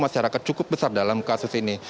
dan memang hal itu cukup besar dalam kasus ini